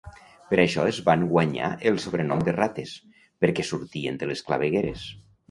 Per això es van guanyar el sobrenom de Rates, perquè sortien de les clavegueres.